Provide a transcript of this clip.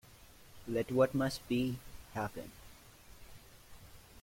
Let what must be, happen.